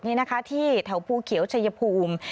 เหล้าหลุดที่แถวภูเคียวชายภูมิ